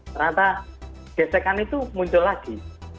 ternyata gesekan itu muncul lagi